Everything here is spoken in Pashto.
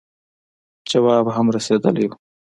جواب هم رسېدلی وو.